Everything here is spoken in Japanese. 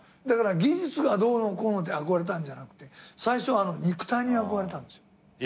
だから技術がどうのこうので憧れたんじゃなくて最初あの肉体に憧れたんですよ。